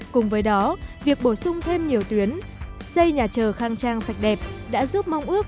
cùng với đó việc bổ sung thêm nhiều tuyến xây nhà chờ khang trang sạch đẹp đã giúp mong ước